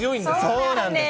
そうなんです。